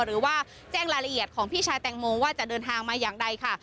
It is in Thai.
หรือว่าแจ้งรายละเอียดของพี่ชายแตงโมว่าจะเดินทางมาอย่างใดค่ะ